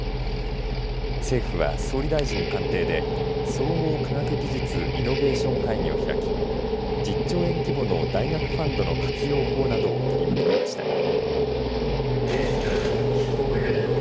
政府は、総理大臣官邸で総合科学技術・イノベーション会議を開き１０兆円規模の大学のファンドの活用法などを取りまとめました。